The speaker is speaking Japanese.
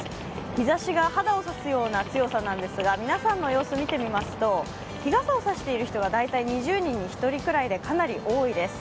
日ざしが肌を刺すような強さなんですが皆さんの様子を見てみますと日傘を差している人が２０人ぐらいと、かなり多いです。